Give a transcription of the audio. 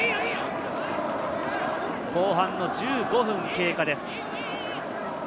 後半１５分経過です。